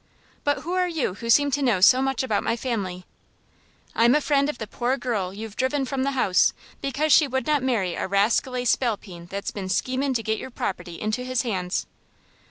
"But who are you who seem to know so much about my family?" "I'm a friend of the pore girl you've driven from the house, because she would not marry a rascally spalpeen that's been schemin' to get your property into his hands."